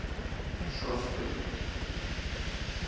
Шостої